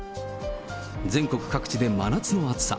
全国各地で真夏の暑さ。